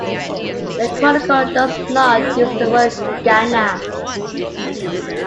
The chronicle does not use the word Ghana.